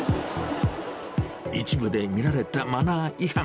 一部で見られたマナー違反。